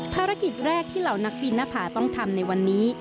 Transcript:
ภารกิจแรกที่เหล่านักบินหน้าผาต้องทำในวันนี้